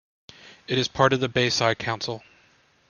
It is part of the Bayside Council.